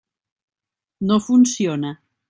No funciona.